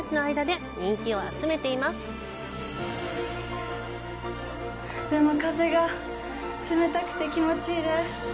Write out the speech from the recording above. でも、風が冷たくて気持ちいいです。